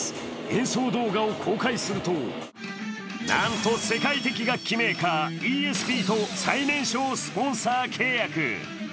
演奏動画を公開するとなんと世界的楽器メーカーＥＳＰと最年少スポンサー契約。